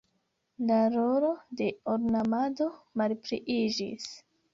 La rolo de ornamado malpliiĝis.